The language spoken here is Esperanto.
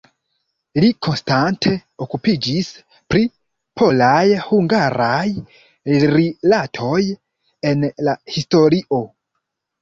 Li konstante okupiĝis pri polaj-hungaraj rilatoj en la historio.